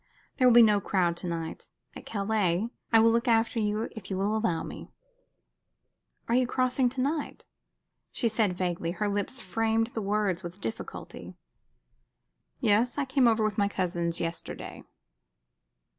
There will be no crowd to night. At Calais I will look after you if you will allow me." "You are crossing to night?" she said, vaguely. Her lips framed the words with difficulty. "Yes. I came over with my cousins yesterday."